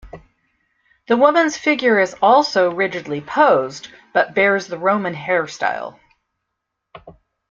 The woman's figure is also rigidly posed but bears the Roman hairstyle.